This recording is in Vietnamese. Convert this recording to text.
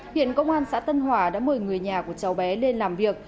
hiện công an xã tân hòa đã mời người nhà của cháu bé lên làm việc